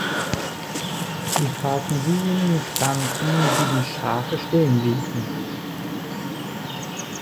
Sie fraßen diejenigen Pflanzen, die die Schafe stehen ließen.